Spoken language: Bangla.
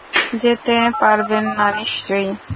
যেতে পারবেন না নিশ্চয়ই?